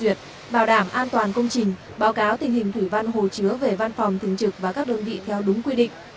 ubnd tỉnh đã chỉ đạo tình hình thủy văn hồ chứa về văn phòng thường trực và các đơn vị theo đúng quy định